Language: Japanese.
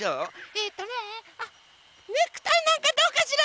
えっとねあっネクタイなんかどうかしら？